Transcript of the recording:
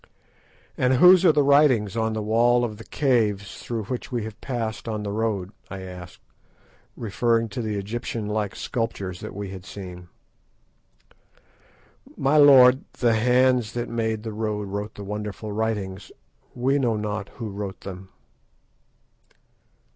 "And whose are the writings on the wall of the caves through which we have passed on the road?" I asked, referring to the Egyptian like sculptures that we had seen. "My lord, the hands that made the road wrote the wonderful writings. We know not who wrote them."